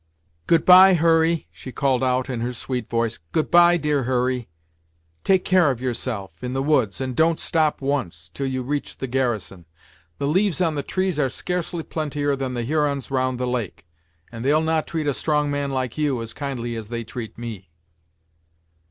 "Goodbye Hurry " she called out, in her sweet voice "goodbye, dear Hurry. Take care of yourself in the woods, and don't stop once, 'til you reach the garrison. The leaves on the trees are scarcely plentier than the Hurons round the lake, and they'll not treat a strong man like you as kindly as they treat me."